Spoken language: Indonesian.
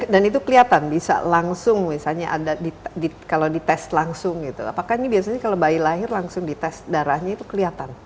dan itu kelihatan bisa langsung misalnya ada kalau di tes langsung gitu apakah ini biasanya kalau bayi lahir langsung di tes darahnya itu kelihatan